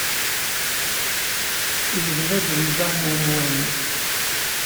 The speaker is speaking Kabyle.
Yebda-d unẓar n umwan.